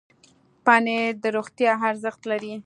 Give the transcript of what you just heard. پنېر د روغتیا ارزښت لري.